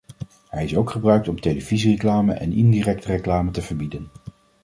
Hij is ook gebruikt om televisiereclame en indirecte reclame te verbieden.